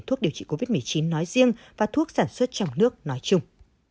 thuốc điều trị covid một mươi chín nói riêng và thuốc sản xuất trong nước nói chung